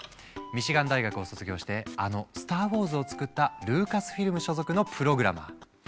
ミシガン大学を卒業してあの「スター・ウォーズ」を作ったルーカスフィルム所属のプログラマー。